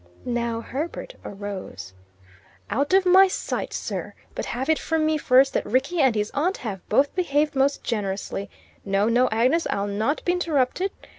Now Herbert arose. "Out of my sight, sir! But have it from me first that Rickie and his aunt have both behaved most generously. No, no, Agnes, I'll not be interrupted.